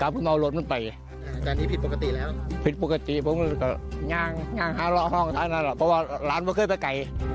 เพราะว่าร้านผมเคยไปไกล